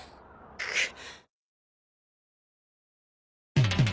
くっ。